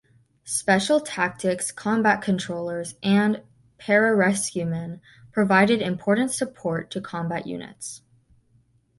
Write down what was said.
Special tactics Combat Controllers and Pararescuemen provided important support to combat units.